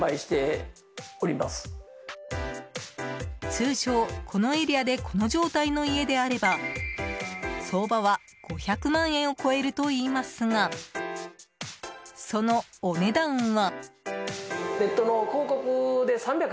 通常、このエリアでこの状態の家であれば相場は５００万円を超えるといいますがそのお値段は。